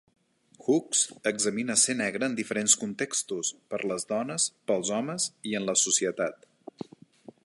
Hooks examina ser negre en diferents contextos: per les dones, pels homes i en la societat.